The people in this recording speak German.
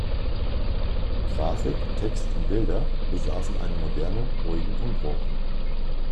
Grafik, Text und Bilder besaßen einen modernen, ruhigen Umbruch.